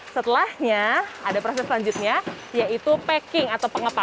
setelahnya ada proses selanjutnya yaitu packing atau pengepar